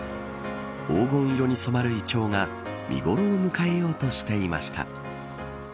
黄金色に染まるイチョウが見頃を迎えようとしていました。